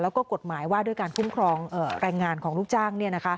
แล้วก็กฎหมายว่าด้วยการคุ้มครองแรงงานของลูกจ้าง